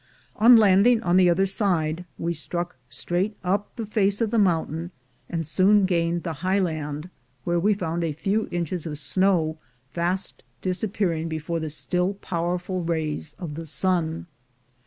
On landing on the other side, we struck straight up the face of the mountain, and soon gained CHINESE IN THE EARLY DAYS 259 the high land> where we found a few inches of snow fast disappearing before the still powerful rays of the sun.